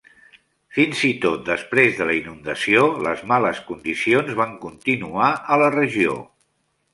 Fins i tot després de la inundació, les males condicions van continuar a la regió.